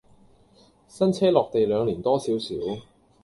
新車落地兩年多少少